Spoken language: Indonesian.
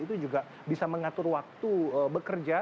itu juga bisa mengatur waktu bekerja